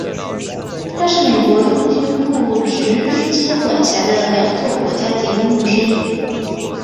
它是美国陆军部直接管辖的两座国家级公墓之一。